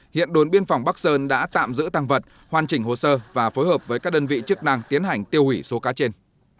hiện đồn biên phòng bắc sơn đã tạm giữ tăng vật hoàn chỉnh hồ sơ và phối hợp với các đơn vị chức năng tiến hành tiêu hủy số cá trên